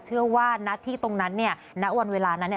เชื่อว่าณที่ตรงนั้นณวันเวลานั้น